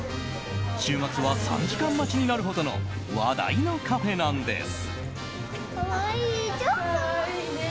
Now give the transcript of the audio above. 週末は３時間待ちになるほどの話題のカフェなんです。